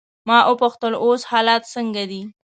ما وپوښتل: اوس حالات څنګه دي؟